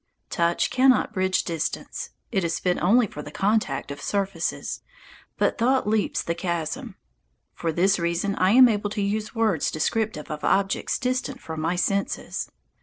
Touch cannot bridge distance, it is fit only for the contact of surfaces, but thought leaps the chasm. For this reason I am able to use words descriptive of objects distant from my senses.